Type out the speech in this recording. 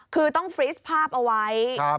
คือต้องฟรีสภาพเอาไว้